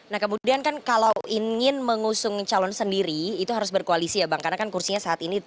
nah kemudian kan kalau ingin mengusung calon sendiri itu harus berkoalisi ya bang karena kan kursinya saat ini